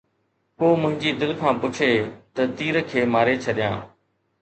ڪو منهنجي دل کان پڇي ته تير کي ماري ڇڏيان